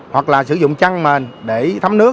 hoặc là sử dụng chăn mền để thấm nước